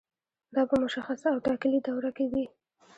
دا په مشخصه او ټاکلې دوره کې وي.